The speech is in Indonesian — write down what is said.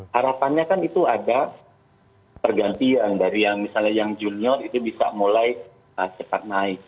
harapannya kan itu ada pergantian dari yang misalnya yang junior itu bisa mulai cepat naik